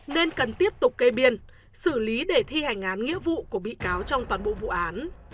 nên cần tiếp tục kê biên xử lý để thi hành án nghĩa vụ của bị cáo trong toàn bộ vụ án